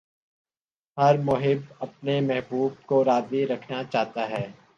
ہر محب اپنے محبوب کو راضی رکھنا چاہتا ہے۔